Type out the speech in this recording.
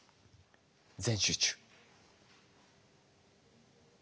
全集中。